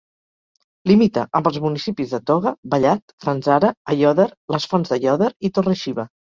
Limita amb els municipis de Toga, Vallat, Fanzara, Aiòder, les Fonts d'Aiòder i Torre-xiva.